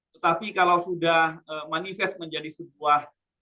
tetapi kalau sudah manifest menjadi sebuah